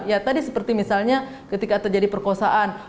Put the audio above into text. ya tadi seperti misalnya ketika terjadi perkosaan